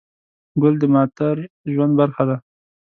ګل د معطر ژوند برخه ده.